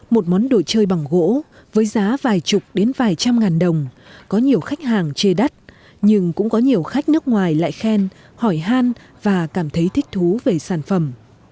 một món đồ chơi bằng gỗ với giá vài chục đến vài trăm ngàn đồng có nhiều khách hàng chê đắt nhưng cũng có nhiều khách nước ngoài lại khen hỏi han và cảm thấy thích thú về sản phẩm